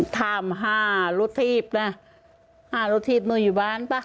ทำหารถือหารถือหนูอยู่บ้านป่ะ